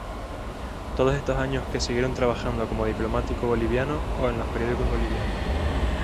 Todos estos años que siguieron trabajando como diplomático boliviano o en los periódicos bolivianos.